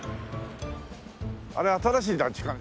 あれ新しい団地かな？